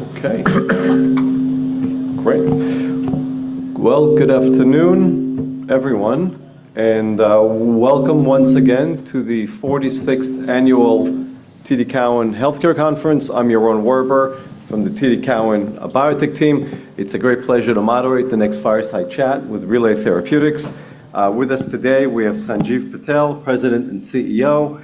Okay, great. Well, good afternoon, everyone, and welcome once again to the 46th annual TD Cowen Healthcare Conference. I'm Yaron Werber from the TD Cowen Biotech team. It's a great pleasure to moderate the next fireside chat with Relay Therapeutics. With us today, we have Sanjiv Patel, President and CEO.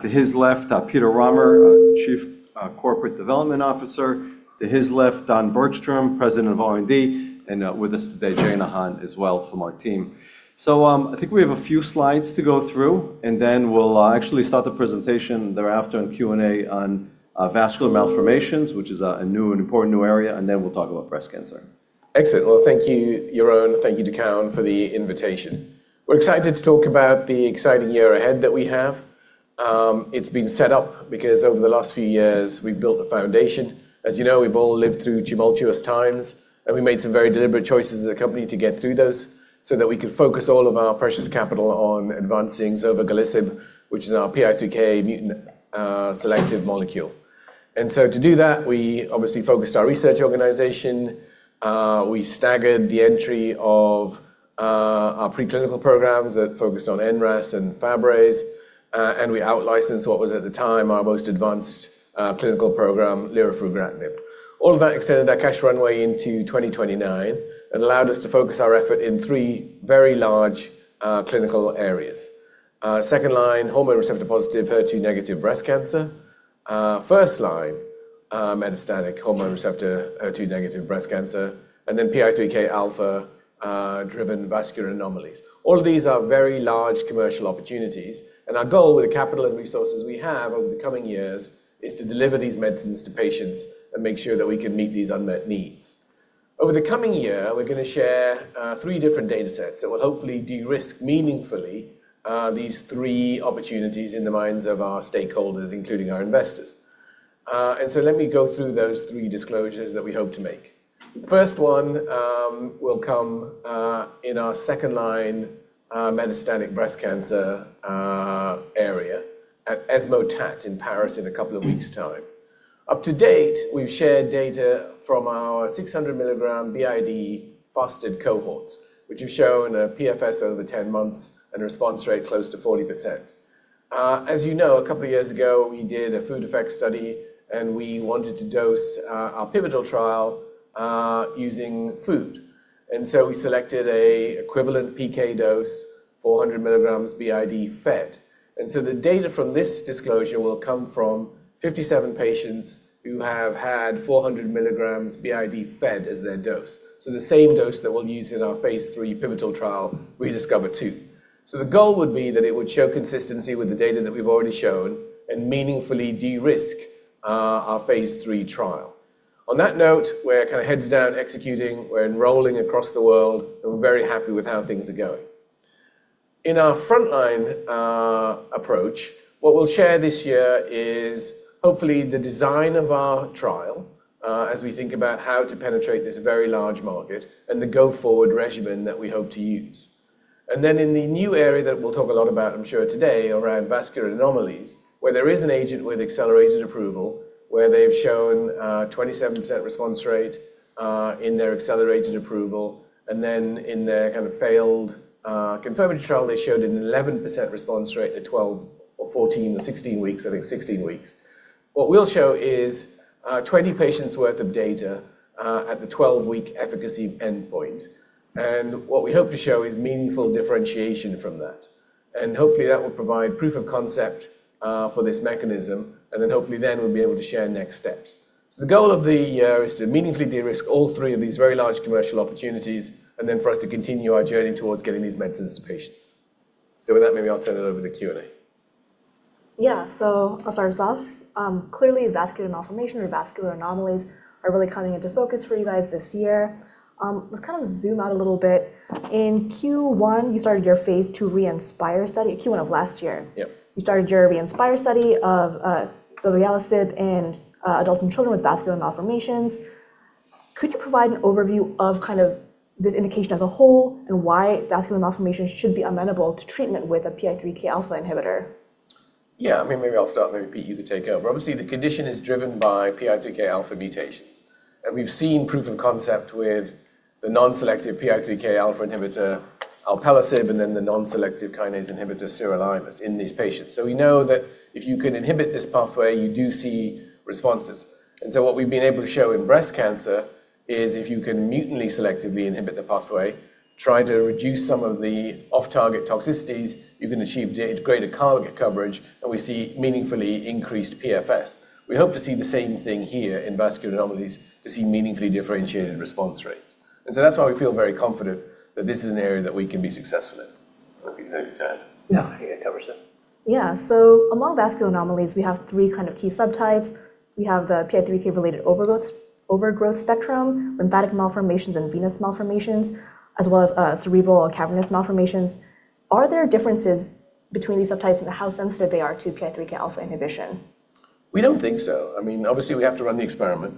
To his left, Peter Rahmer, Chief Corporate Development Officer. To his left, Don Bergstrom, President of R&D, and with us today, Jaena Han as well from our team. I think we have a few slides to go through, and then we'll actually start the presentation thereafter and Q&A on vascular malformations, which is a new and important new area, and then we'll talk about breast cancer. Excellent. Well, thank you, Yaron. Thank you to Cowen for the invitation. We're excited to talk about the exciting year ahead that we have. It's been set up because over the last few years we've built a foundation. As you know, we've all lived through tumultuous times, we made some very deliberate choices as a company to get through those so that we could focus all of our precious capital on advancing zovegalisib, which is our PI3K mutant selective molecule. To do that, we obviously focused our research organization, we staggered the entry of our preclinical programs that focused on NRAS and Fabry, and we outlicensed what was at the time our most advanced clinical program, lirafugratinib. All of that extended that cash runway into 2029 and allowed us to focus our effort in three very large clinical areas. 2nd line, hormone receptor-positive, HER2-negative breast cancer, 1st line, metastatic hormone receptor HER2-negative breast cancer, and then PI3Kα-driven vascular anomalies. All of these are very large commercial opportunities, and our goal with the capital and resources we have over the coming years is to deliver these medicines to patients and make sure that we can meet these unmet needs. Over the coming year, we're gonna share three different datasets that will hopefully de-risk meaningfully these three opportunities in the minds of our stakeholders, including our investors. Let me go through those three disclosures that we hope to make. The 1st one will come in our 2nd-line metastatic breast cancer area at ESMO TAT in Paris in two weeks' time. Up-to-date, we've shared data from our 600 mg BID fasted cohorts, which have shown a PFS over 10 months and a response rate close to 40%. As you know, a couple of years ago, we did a food effect study, we wanted to dose our pivotal trial using food. We selected a equivalent PK dose, 400 mg BID fed. The data from this disclosure will come from 57 patients who have had 400 mg BID fed as their dose. The same dose that we'll use in our phase III pivotal trial, ReDiscover-2. The goal would be that it would show consistency with the data that we've already shown and meaningfully de-risk our phase III trial. On that note, we're kinda heads down executing, we're enrolling across the world, and we're very happy with how things are going. In our frontline approach, what we'll share this year is hopefully the design of our trial, as we think about how to penetrate this very large market and the go-forward regimen that we hope to use. In the new area that we'll talk a lot about, I'm sure today, around vascular anomalies, where there is an agent with accelerated approval, where they've shown 27% response rate, in their accelerated approval, in their kind of failed confirmatory trial, they showed an 11% response rate at 12 or 14 or 16 weeks, I think 16 weeks. What we'll show is 20 patients' worth of data at the 12-week efficacy endpoint. What we hope to show is meaningful differentiation from that. Hopefully, that will provide proof of concept for this mechanism, and then hopefully then we'll be able to share next steps. The goal of the year is to meaningfully de-risk all three of these very large commercial opportunities and then for us to continue our journey towards getting these medicines to patients. With that, maybe I'll turn it over to Q&A. I'll start us off. Clearly vascular malformations or vascular anomalies are really coming into focus for you guys this year. Let's kind of zoom out a little bit. In Q1, you started your phase II ReInspire study, Q1 of last year. Yep. You started your ReInspire study of zovegalisib in adults and children with vascular malformations. Could you provide an overview of kind of this indication as a whole and why vascular malformations should be amenable to treatment with a PI3Kα inhibitor? Yeah. I mean, maybe I'll start, maybe Pete, you could take over. Obviously, the condition is driven by PI3Kα mutations. We've seen proof of concept with the non-selective PI3Kα inhibitor, alpelisib, and then the non-selective kinase inhibitor sirolimus in these patients. We know that if you can inhibit this pathway, you do see responses. What we've been able to show in breast cancer is if you can mutantly selectively inhibit the pathway, try to reduce some of the off-target toxicities, you can achieve greater target coverage, and we see meaningfully increased PFS. We hope to see the same thing here in vascular anomalies to see meaningfully differentiated response rates. That's why we feel very confident that this is an area that we can be successful in. That'd be great to add. Yeah. I think that covers it. Among vascular anomalies, we have three kind of key subtypes. We have the PI3K-related overgrowth spectrum, lymphatic malformations, and venous malformations, as well as cerebral or cavernous malformations. Are there differences between these subtypes and how sensitive they are to PI3Kα inhibition? We don't think so. I mean, obviously, we have to run the experiment.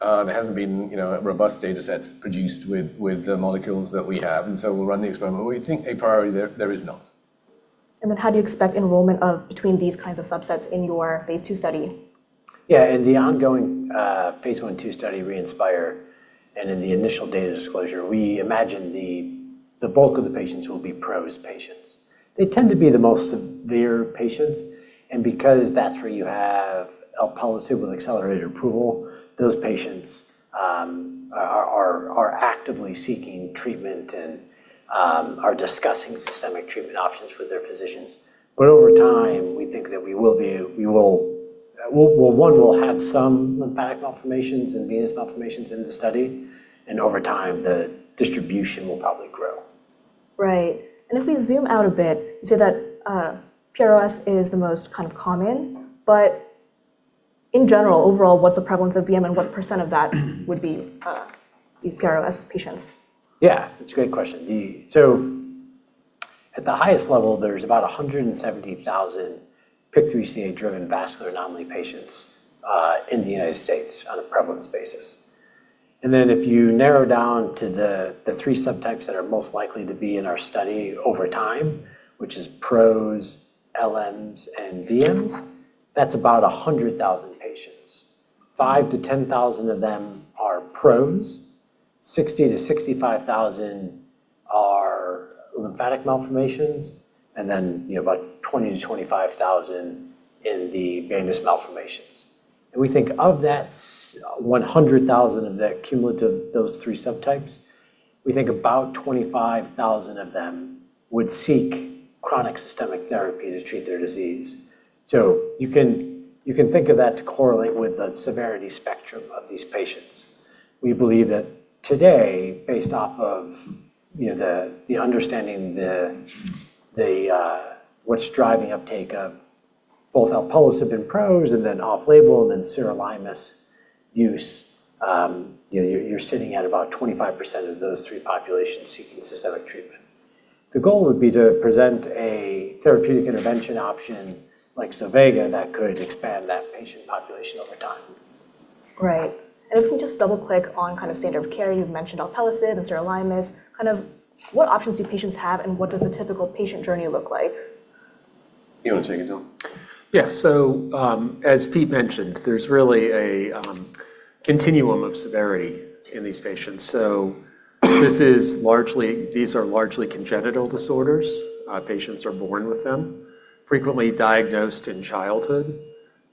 There hasn't been, you know, robust datasets produced with the molecules that we have, and so we'll run the experiment. We think a priority there is not How do you expect enrollment of between these kinds of subsets in your phase II study? Yeah. In the ongoing phase I/II study ReInspire, in the initial data disclosure, we imagine the bulk of the patients will be PROS patients. They tend to be the most severe patients, because that's where you have alpelisib with accelerated approval, those patients are actively seeking treatment and are discussing systemic treatment options with their physicians. Over time, we think that we'll, well, one, we'll have some lymphatic malformations and venous malformations in the study, over time, the distribution will probably grow. Right. If we zoom out a bit, you said that, PROS is the most kind of common. In general, overall, what's the prevalence of VM, and what % of that would be, these PROS patients? Yeah. It's a great question. At the highest level, there's about 170,000 PIK3CA-driven vascular anomaly patients in the United States on a prevalence basis. If you narrow down to the three subtypes that are most likely to be in our study over time, which is PROS, LMs, and VMs, that's about 100,000 patients. 5,000-10,000 of them are PROS, 60,000-65,000 are lymphatic malformations, you know, about 20,000-25,000 in the venous malformations. We think of that 100,000 of that cumulative, those three subtypes, we think about 25,000 of them would seek chronic systemic therapy to treat their disease. You can think of that to correlate with the severity spectrum of these patients. We believe that today, based off of, you know, the understanding what's driving uptake of both alpelisib in PROS and then off-label and then sirolimus use, you know, you're sitting at about 25% of those three populations seeking systemic treatment. The goal would be to present a therapeutic intervention option like zovegalisib that could expand that patient population over time. Right. If we just double-click on kind of standard of care, you've mentioned alpelisib and sirolimus. Kind of what options do patients have, and what does the typical patient journey look like? You wanna take it, Don? As Pete mentioned, there's really a continuum of severity in these patients. These are largely congenital disorders. Patients are born with them, frequently diagnosed in childhood.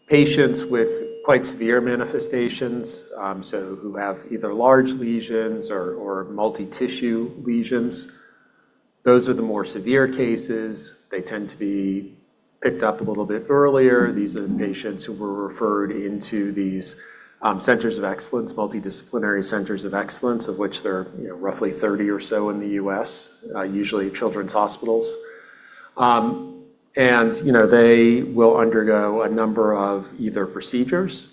Patients with quite severe manifestations, so who have either large lesions or multi-tissue lesions, those are the more severe cases. They tend to be picked up a little bit earlier. These are the patients who were referred into these centers of excellence, multidisciplinary centers of excellence, of which there are, you know, roughly 30 or so in the U.S., usually children's hospitals. You know, they will undergo a number of either procedures,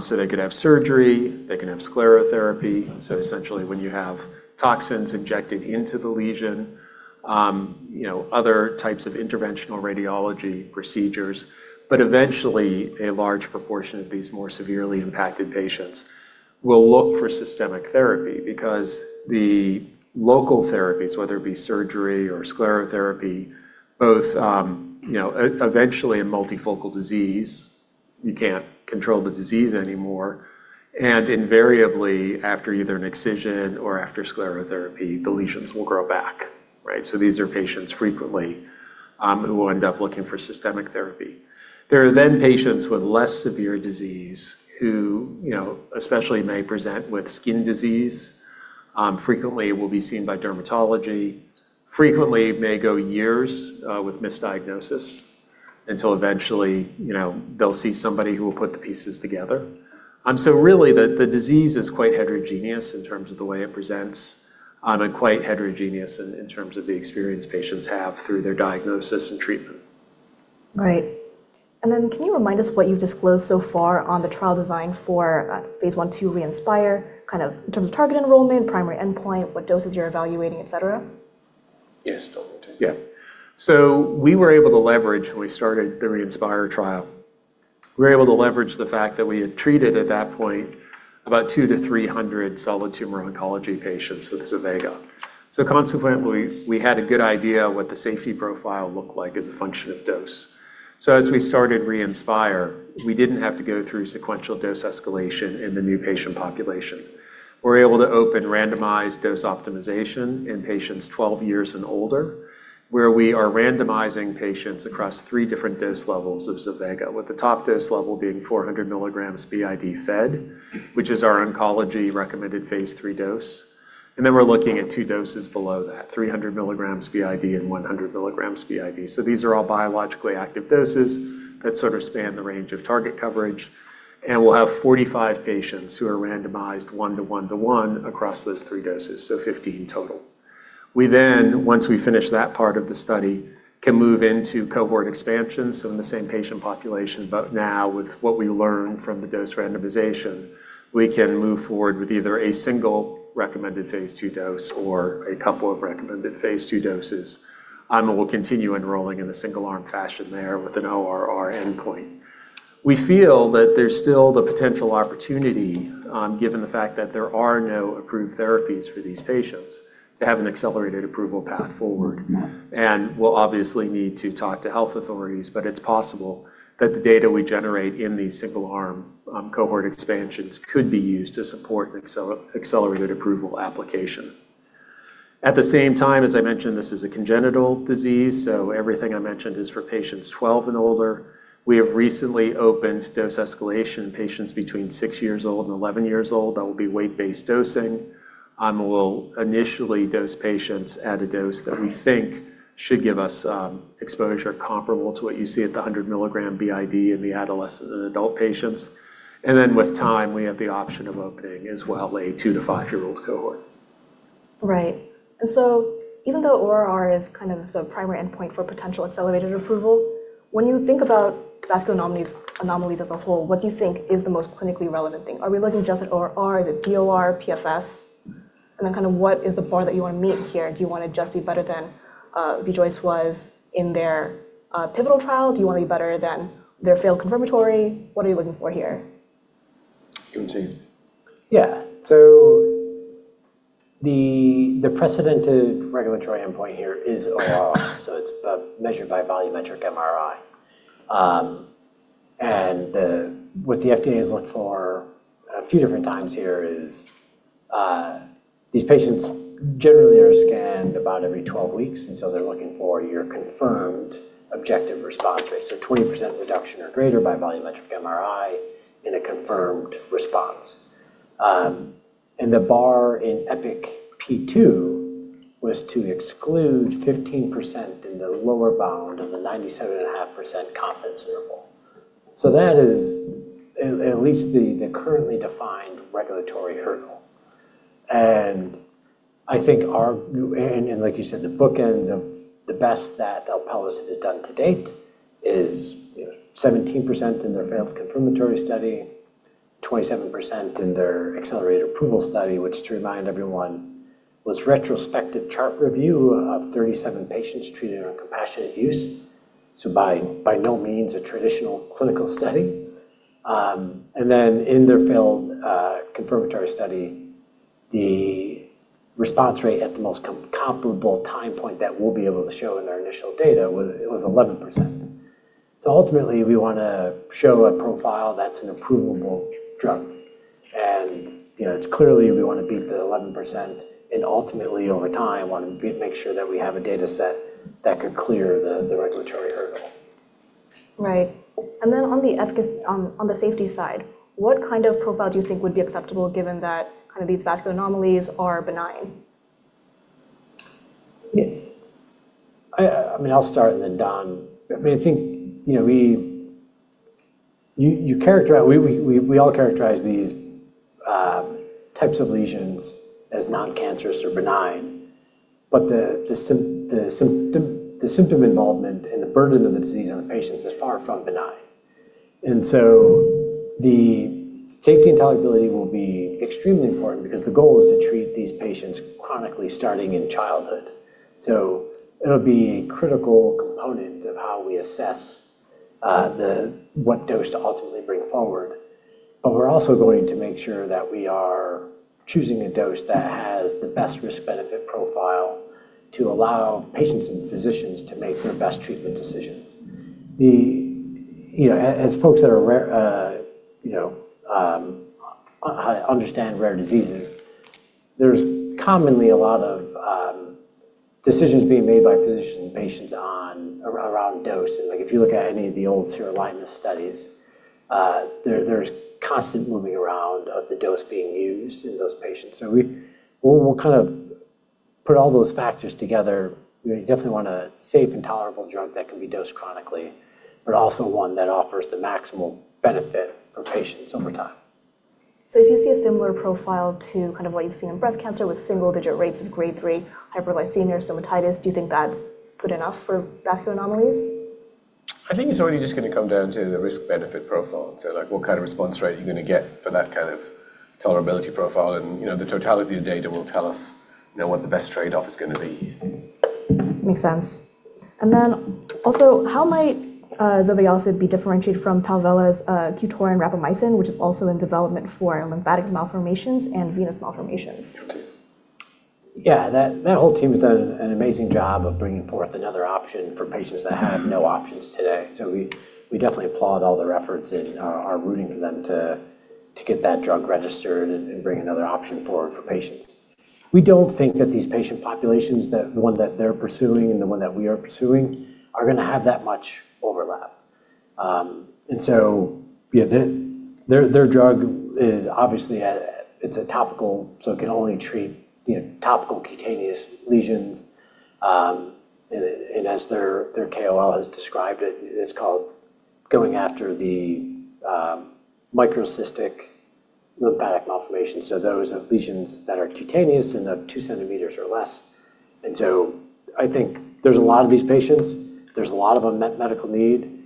so they could have surgery, they can have sclerotherapy. Essentially, when you have toxins injected into the lesion, you know, other types of interventional radiology procedures. Eventually, a large proportion of these more severely impacted patients will look for systemic therapy because the local therapies, whether it be surgery or sclerotherapy, both, you know, eventually in multifocal disease, you can't control the disease anymore. Invariably, after either an excision or after sclerotherapy, the lesions will grow back, right? These are patients frequently who will end up looking for systemic therapy. There are patients with less severe disease who, you know, especially may present with skin disease, frequently will be seen by dermatology, frequently may go years with misdiagnosis until eventually, you know, they'll see somebody who will put the pieces together. Really, the disease is quite heterogeneous in terms of the way it presents, and quite heterogeneous in terms of the experience patients have through their diagnosis and treatment. Right. Then can you remind us what you've disclosed so far on the trial design for phase I/II ReInspire, kind of in terms of target enrollment, primary endpoint, what doses you're evaluating, et cetera? Yes. Don, want to take that? Yeah. When we started the ReInspire trial, we were able to leverage the fact that we had treated at that point about 200-300 solid tumor oncology patients with zovegalisib. Consequently, we had a good idea what the safety profile looked like as a function of dose. As we started ReInspire, we didn't have to go through sequential dose escalation in the new patient population. We're able to open randomized dose optimization in patients 12 years and older, where we are randomizing patients across 3 different dose levels of zovegalisib, with the top dose level being 400 mg BID fed, which is our oncology recommended phase III dose. We're looking at two doses below that, 300 mg BID and 100 mg BID. These are all biologically active doses that sort of span the range of target coverage. We'll have 45 patients who are randomized one to one to one across those three doses, so 15 total. Once we finish that part of the study, can move into cohort expansion, so in the same patient population. Now with what we learn from the dose randomization, we can move forward with either a single recommended phase II dose or a couple of recommended phase II doses. And we'll continue enrolling in a single arm fashion there with an ORR endpoint. We feel that there's still the potential opportunity, given the fact that there are no approved therapies for these patients to have an accelerated approval path forward. We'll obviously need to talk to health authorities, but it's possible that the data we generate in these single-arm cohort expansions could be used to support an accelerated approval application. At the same time, as I mentioned, this is a congenital disease, so everything I mentioned is for patients 12 and older. We have recently opened dose escalation in patients between 6 years old and 11 years old. That will be weight-based dosing. We'll initially dose patients at a dose that we think should give us exposure comparable to what you see at the 100 mg BID in the adolescent and adult patients. With time, we have the option of opening as well a two to five-year-old cohort. Right. Even though ORR is kind of the primary endpoint for potential accelerated approval, when you think about vascular anomalies as a whole, what do you think is the most clinically relevant thing? Are we looking just at ORR? Is it DOR, PFS? Then kind of what is the bar that you want to meet here? Do you wanna just be better than VIJOICE was in their pivotal trial? Do you wanna be better than their failed confirmatory? What are you looking for here? Give it to you. The precedent to regulatory endpoint here is ORR. It's measured by volumetric MRI. What the FDA has looked for a few different times here is, these patients generally are scanned about every 12 weeks, and they're looking for your confirmed objective response rate, 20% reduction or greater by volumetric MRI in a confirmed response. The bar in EPIK-P2 was to exclude 15% in the lower bound of the 97.5% confidence interval. That is at least the currently defined regulatory hurdle. I think our Like you said, the bookends of the best that our policy has done to date is 17% in their failed confirmatory study, 27% in their accelerated approval study, which to remind everyone, was retrospective chart review of 37 patients treated on compassionate use. By no means a traditional clinical study. In their failed confirmatory study, the response rate at the most comparable time point that we'll be able to show in our initial data was 11%. Ultimately, we wanna show a profile that's an approvable drug. You know, it's clearly we wanna beat the 11% and ultimately over time, wanna make sure that we have a dataset that could clear the regulatory hurdle. Right. Then on the safety side, what kind of profile do you think would be acceptable given that kind of these vascular anomalies are benign? Yeah. I mean, I'll start and then Don. I mean, I think, you know, you characterize, we all characterize these types of lesions as non-cancerous or benign, but the symptom involvement and the burden of the disease on the patients is far from benign. The safety and tolerability will be extremely important because the goal is to treat these patients chronically starting in childhood. It'll be a critical component of how we assess what dose to ultimately bring forward, but we're also going to make sure that we are choosing a dose that has the best risk-benefit profile to allow patients and physicians to make their best treatment decisions. The... You know, as folks that are rare, you know, understand rare diseases, there's commonly a lot of decisions being made by physicians and patients around dose. Like if you look at any of the old sirolimus studies, there's constant moving around of the dose being used in those patients. We'll kind of put all those factors together. We definitely want a safe and tolerable drug that can be dosed chronically, but also one that offers the maximal benefit for patients over time. If you see a similar profile to kind of what you've seen in breast cancer with single-digit rates of grade 3 hyperglycemia or stomatitis, do you think that's good enough for vascular anomalies? I think it's really just gonna come down to the risk-benefit profile. Like what kind of response rate are you gonna get for that kind of tolerability profile? You know, the totality of data will tell us, you know, what the best trade-off is gonna be. Makes sense. Also how might zovegalisib be differentiated from Palvella's QTORIN rapamycin, which is also in development for lymphatic malformations and venous malformations? Yeah. That whole team has done an amazing job of bringing forth another option for patients that have no options today. We definitely applaud all their efforts and are rooting for them to get that drug registered and bring another option forward for patients. We don't think that these patient populations, the one that they're pursuing and the one that we are pursuing, are gonna have that much overlap. Yeah, their drug is obviously a, it's a topical, so it can only treat, you know, topical cutaneous lesions. And as their KOL has described it's called going after the microcystic lymphatic malformations. Those are lesions that are cutaneous and of 2 cm or less. I think there's a lot of these patients. There's a lot of unmet medical need.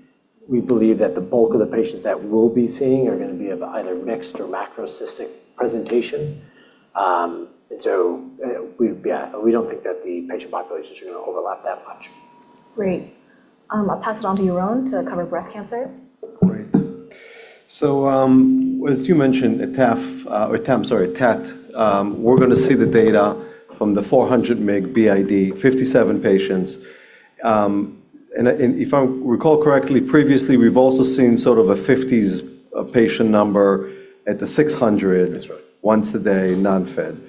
We believe that the bulk of the patients that we'll be seeing are gonna be of either mixed or macrocystic presentation. We don't think that the patient populations are going to overlap that much. Great. I'll pass it on to Yaron to cover breast cancer. Great. As you mentioned, a TAT, we're gonna see the data from the 400 mg BID 57 patients. If I recall correctly, previously, we've also seen sort of a 50s patient number at a 600 mg. That's right. Once a day, non-fed.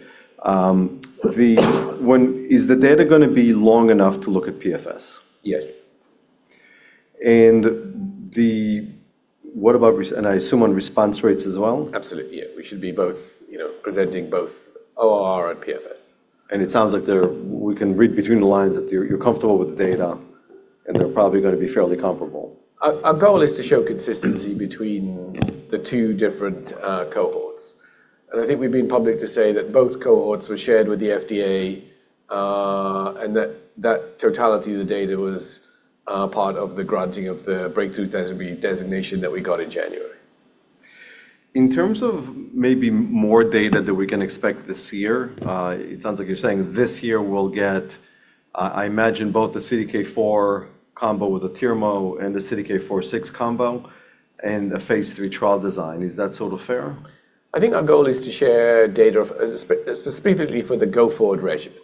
Is the data gonna be long enough to look at PFS? Yes. What about and I assume on response rates as well? Absolutely, yeah. We should be both, you know, presenting both ORR and PFS. It sounds like we can read between the lines that you're comfortable with the data, and they're probably gonna be fairly comparable. Our goal is to show consistency between the two different cohorts. I think we've been public to say that both cohorts were shared with the FDA, and that totality of the data was part of the granting of the breakthrough designated designation that we got in January. In terms of maybe more data that we can expect this year, it sounds like you're saying this year we'll get, I imagine both the CDK4 combo with the Tyrmo and the CDK4/6 combo and a phase III trial design. Is that sort of fair? I think our goal is to share data of specifically for the go-forward regimen.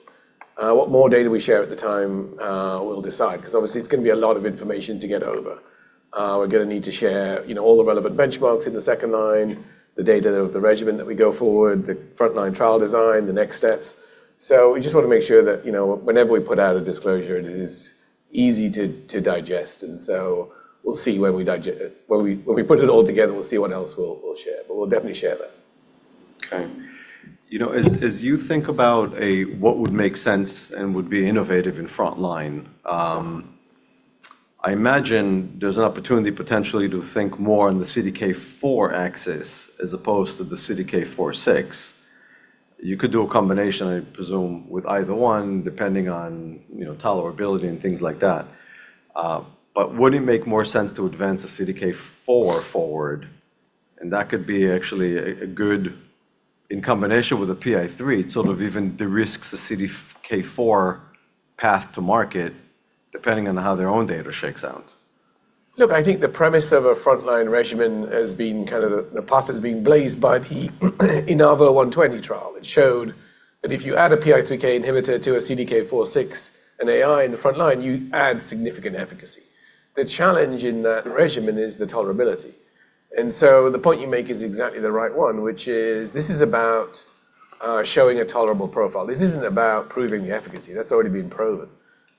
What more data we share at the time, we'll decide 'cause obviously it's gonna be a lot of information to get over. We're gonna need to share, you know, all the relevant benchmarks in the second line, the data, the regimen that we go forward, the frontline trial design, the next steps. We just wanna make sure that, you know, whenever we put out a disclosure, it is easy to digest. We'll see when we put it all together, we'll see what else we'll share. We'll definitely share that. You know, as you think about a, what would make sense and would be innovative in frontline, I imagine there's an opportunity potentially to think more in the CDK4 axis as opposed to the CDK4/6. You could do a combination, I presume, with either one, depending on, you know, tolerability and things like that. Would it make more sense to advance a CDK4 forward? That could be actually a good in combination with a PI3, it sort of evens the risks of CDK4 path to market, depending on how their own data shakes out. I think the premise of a frontline regimen has been the path has been blazed by the INAVO120 trial. It showed that if you add a PI3K inhibitor to a CDK4/6, an AI in the frontline, you add significant efficacy. The challenge in that regimen is the tolerability. The point you make is exactly the right one, which is this is about showing a tolerable profile. This isn't about proving the efficacy. That's already been proven.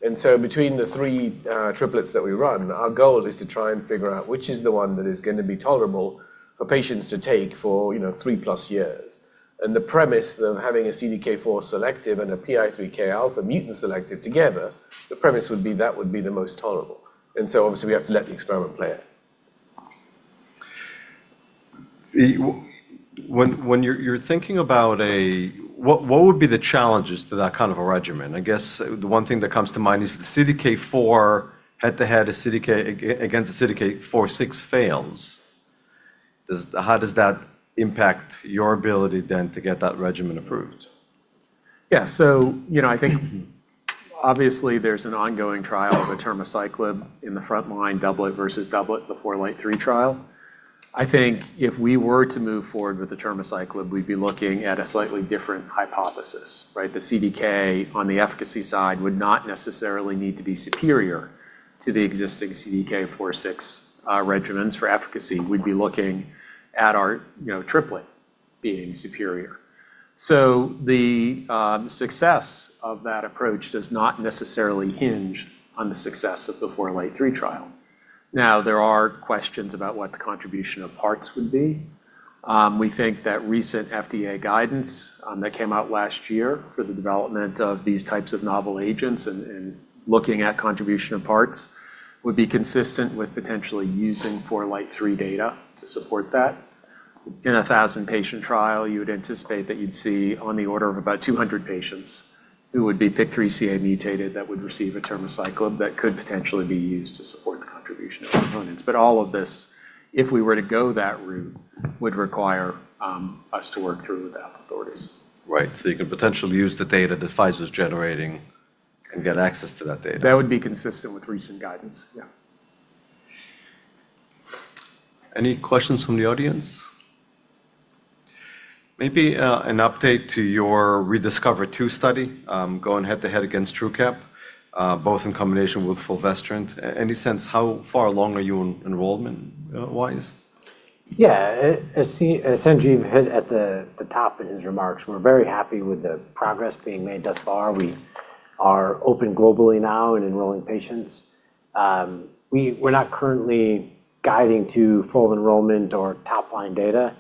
Between the three triplets that we run, our goal is to try and figure out which is the one that is going to be tolerable for patients to take for, you know, 3+ years. The premise of having a CDK4 selective and a PI3Kα mutant selective together, the premise would be that would be the most tolerable. Obviously, we have to let the experiment play out. When you're thinking about what would be the challenges to that kind of a regimen? I guess the one thing that comes to mind is if the CDK4 head-to-head against the CDK4/6 fails, how does that impact your ability then to get that regimen approved? Yeah. you know, I think obviously there's an ongoing trial of atirmociclib in the frontline doublet versus doublet, the FourLight-3 trial. I think if we were to move forward with atirmociclib, we'd be looking at a slightly different hypothesis, right? The CDK on the efficacy side would not necessarily need to be superior to the existing CDK4/6 regimens for efficacy. We'd be looking at our, you know, triplet being superior. The success of that approach does not necessarily hinge on the success of the FourLight-3 trial. Now, there are questions about what the contribution of parts would be. We think that recent FDA guidance that came out last year for the development of these types of novel agents and looking at contribution of parts would be consistent with potentially using FourLight-3 data to support that. In a 1,000-patient trial, you would anticipate that you'd see on the order of about 200 patients who would be PIK3CA mutated that would receive atirmociclib that could potentially be used to support the contribution of components. All of this, if we were to go that route, would require us to work through with the authorities. Right. You can potentially use the data that Pfizer's generating and get access to that data. That would be consistent with recent guidance, yeah. Any questions from the audience? Maybe, an update to your ReDiscover-2 study, going head-to-head against TRUQAP, both in combination with fulvestrant. Any sense how far along are you on enrollment wise? Yeah. As Sanjiv hit at the top in his remarks, we're very happy with the progress being made thus far. We are open globally now and enrolling patients. We're not currently guiding to full enrollment or top-line data.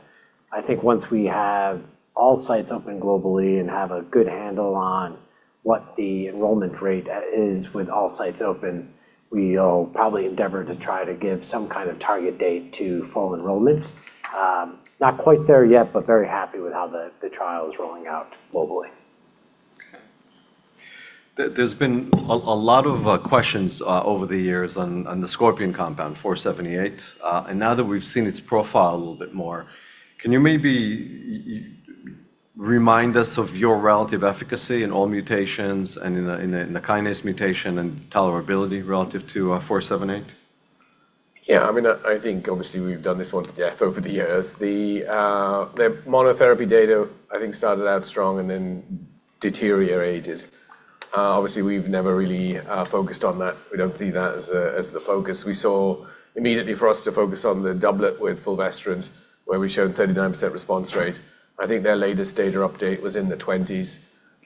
I think once we have all sites open globally and have a good handle on what the enrollment rate is with all sites open, we'll probably endeavor to try to give some kind of target date to full enrollment. Not quite there yet, but very happy with how the trial is rolling out globally. There's been a lot of questions over the years on the Scorpion compound 478. Now that we've seen its profile a little bit more, can you maybe remind us of your relative efficacy in all mutations and in a kinase mutation and tolerability relative to 478? Yeah. I mean, I think obviously we've done this one to death over the years. The monotherapy data I think started out strong and then deteriorated. Obviously we've never really focused on that. We don't see that as the focus. We saw immediately for us to focus on the doublet with fulvestrant, where we showed 39% response rate. I think their latest data update was in the 20s.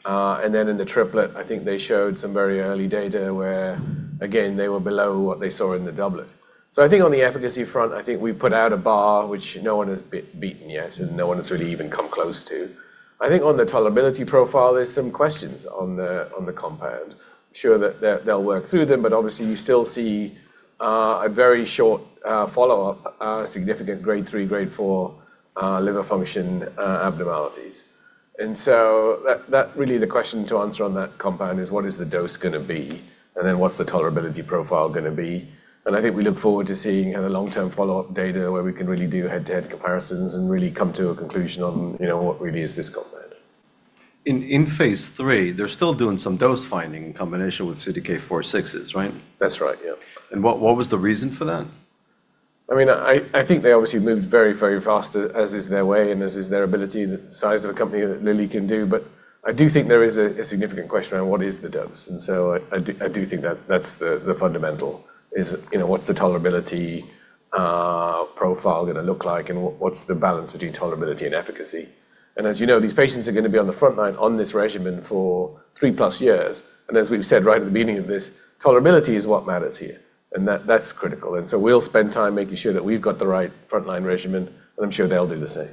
In the triplet, I think they showed some very early data where again, they were below what they saw in the doublet. I think on the efficacy front, I think we put out a bar, which no one has beaten yet, and no one has really even come close to. I think on the tolerability profile, there's some questions on the compound. Sure that they'll work through them, obviously you still see, a very short follow-up, significant grade three, grade four liver function abnormalities. So that really the question to answer on that compound is what is the dose gonna be, and then what's the tolerability profile gonna be. I think we look forward to seeing the long-term follow-up data where we can really do head-to-head comparisons and really come to a conclusion on, you know, what really is this compound. In phase III, they're still doing some dose finding in combination with CDK4/6s, right? That's right. Yeah. What, what was the reason for that? I mean, I think they obviously moved very, very fast, as is their way and as is their ability, the size of a company that Lilly can do. I do think there is a significant question around what is the dose. I do think that that's the fundamental is, you know, what's the tolerability profile gonna look like, and what's the balance between tolerability and efficacy. As you know, these patients are gonna be on the frontline on this regimen for 3+ years. As we've said right at the beginning of this, tolerability is what matters here, and that's critical. We'll spend time making sure that we've got the right frontline regimen, and I'm sure they'll do the same.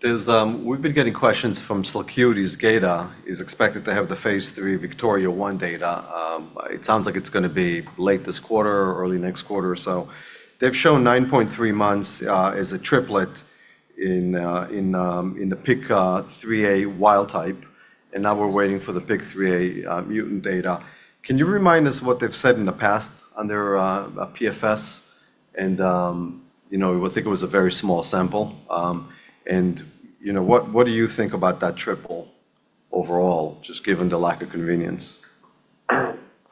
There's We've been getting questions from Celcuity's data is expected to have the phase III VIKTORIA-1 data. It sounds like it's gonna be late this quarter or early next quarter or so. They've shown 9.3 months as a triplet in in the PI3Kα wild-type, and now we're waiting for the PI3Kα mutant data. Can you remind us what they've said in the past on their PFS? You know, we think it was a very small sample. You know, what do you think about that triple overall, just given the lack of convenience?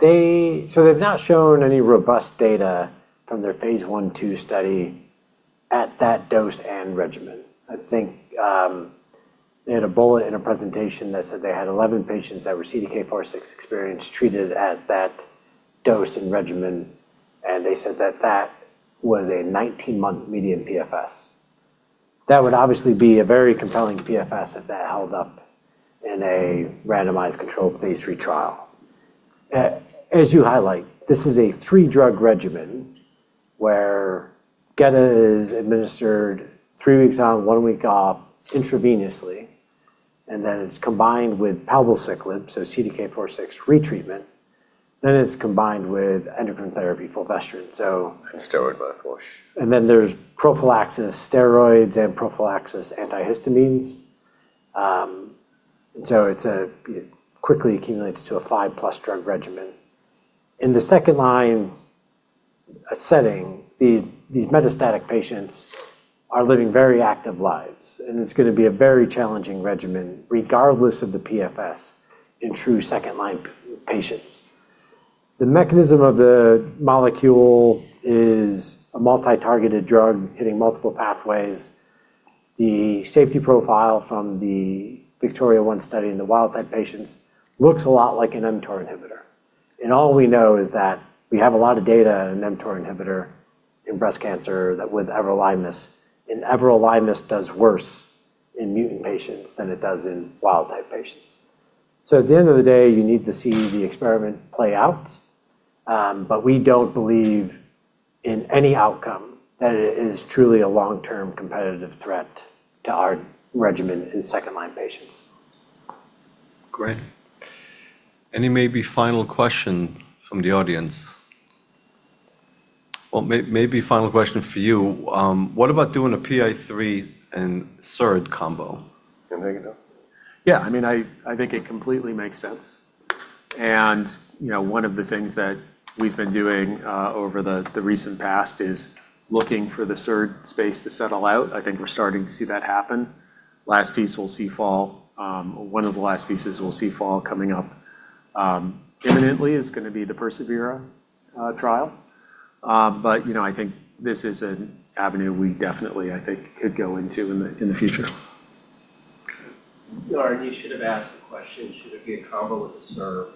They've not shown any robust data from their phase I/II study at that dose and regimen. I think they had a bullet in a presentation that said they had 11 patients that were CDK4/6 experienced, treated at that dose and regimen, and they said that that was a 19-month median PFS. That would obviously be a very compelling PFS if that held up in a randomized controlled phase III trial. As you highlight, this is a three-drug regimen where gedatolisib is administered three weeks on, one week off intravenously, and then it's combined with palbociclib, so CDK4/6 retreatment. It's combined with endocrine therapy, fulvestrant. Steroid mouthwash. There's prophylaxis steroids and prophylaxis antihistamines. It quickly accumulates to a five-plus drug regimen. In the second-line setting, these metastatic patients are living very active lives, it's gonna be a very challenging regimen regardless of the PFS in true second-line patients. The mechanism of the molecule is a multi-targeted drug hitting multiple pathways. The safety profile from the VIKTORIA-1 study in the wild-type patients looks a lot like an mTOR inhibitor. All we know is that we have a lot of data in an mTOR inhibitor in breast cancer that with everolimus does worse in mutant patients than it does in wild-type patients. At the end of the day, you need to see the experiment play out, but we don't believe in any outcome that it is truly a long-term competitive threat to our regimen in second-line patients. Great. Any maybe final question from the audience? Or maybe final question for you. What about doing a PI3 and SERD combo? Can I take that? Yeah. I mean, I think it completely makes sense. You know, one of the things that we've been doing over the recent past is looking for the SERD space to settle out. I think we're starting to see that happen. Last piece we'll see fall, or one of the last pieces we'll see fall coming up imminently is gonna be the persevERA trial. You know, I think this is an avenue we definitely, I think, could go into in the future. Arnie should have asked the question, should it be a combo with the SERD?